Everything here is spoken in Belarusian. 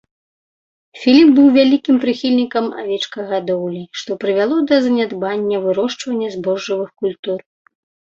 Філіп быў вялікім прыхільнікам авечкагадоўлі, што прывяло да занядбання вырошчвання збожжавых культур.